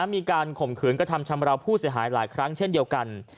มีการข่มขืนกระทำชำราวผู้เสียหายหลายครั้งเช่นเดียวกัน